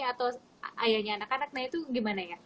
atau ayahnya anak anaknya itu gimana ya